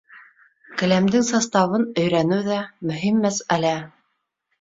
Келәмдең составын өйрәнеү ҙә — мөһим мәсьәлә.